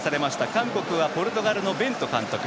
韓国はポルトガルのベント監督。